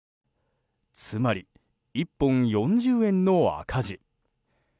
つまり、１本４０円の赤字。